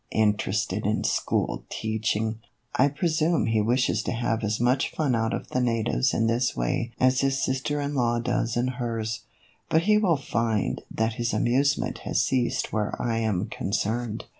Interested in school teach ing ! I presume he wishes to have as much fun out of the natives in his way as his sister in law does in hers ; but he will find that his amusement has ceased where I am concerned."